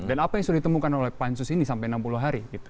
dan apa yang sudah ditemukan oleh pansus ini sampai enam puluh hari gitu